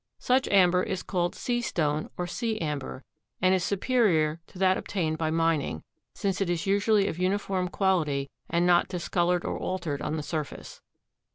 Such amber is called sea stone or sea amber and is superior to that obtained by mining, since it is usually of uniform quality and not discolored and altered on the surface.